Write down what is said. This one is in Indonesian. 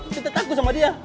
kita takut sama dia